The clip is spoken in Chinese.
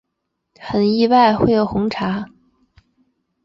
很意外会有红茶